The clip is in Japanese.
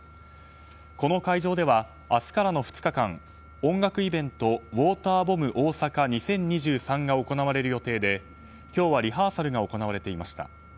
この会場では、明日からの２日間音楽イベント、ウォーターボムオオサカ２０２３が行われる予定で、今日はリハーサルが行われていました。